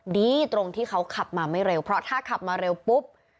ดีตรงที่เขาขับมาไม่เร็วเพราะถ้าขับมาเร็วปุ๊บ